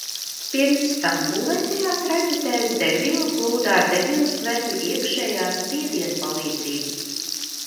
Pirms tam būvētajās raķetēs degviela plūda ar degvielas tvertņu iekšējā spiediena palīdzību.